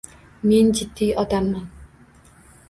Men jiddiy odamman.